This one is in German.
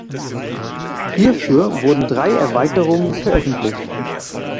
Hierfür wurden drei Erweiterungen veröffentlicht.